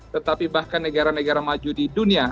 tetapi bahkan negara negara maju di dunia